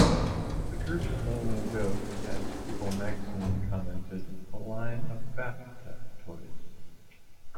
The group's name evoked, as "People" magazine commented, "a line of bathtub toys".